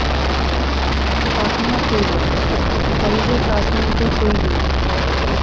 কাকীমা কইল, কলেজের ক্লাসমেটদের কইবি।